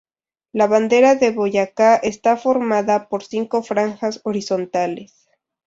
La Bandera de Boyacá está formada por cinco franjas horizontales.